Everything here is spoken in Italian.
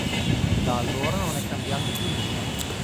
Da allora non è cambiato più nulla.